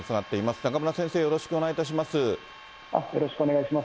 中村先生、よろしくお願いいたしよろしくします。